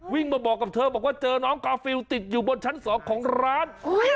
วิ่งมาบอกกับเธอบอกว่าเจอน้องกาฟิลติดอยู่บนชั้น๒ของร้าน